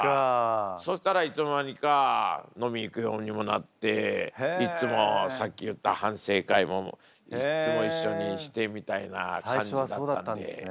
そしたらいつの間にか飲み行くようにもなっていつもさっき言った反省会もいつも一緒にしてみたいな感じだったんで。